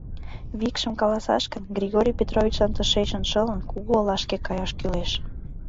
Викшым каласаш гын, Григорий Петровичлан тышечын, шылын, кугу олашке каяш кӱлеш.